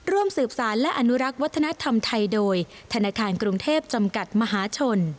ร่วมสืบสารและอนุรักษ์วัฒนธรรมไทยโดยธนาคารกรุงเทพจำกัดมหาชน